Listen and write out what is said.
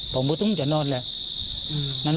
ผมก็ต้องจะนอนแหละ